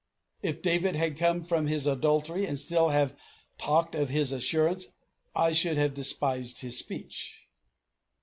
If David had come from his adultery and still have talked of his assurance, I should have despised his speech."